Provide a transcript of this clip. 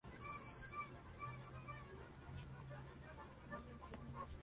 Ella fue recogida por Tyler.